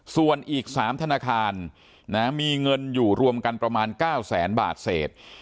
ส่วนอีก๓ธนาคารมีเงินอยู่รวมกันประมาณ๙แสนบาทเศษ